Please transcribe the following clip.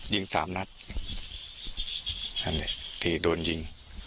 ยิงสามนัดที่โดนยิง